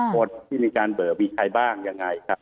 โทษที่มีการเบิกมีใครบ้างยังไงครับ